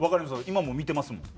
今も見てますもん。